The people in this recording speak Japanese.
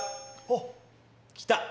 あっ！来た！